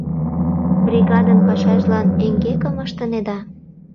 Бригадын пашажлан эҥгекым ыштынеда?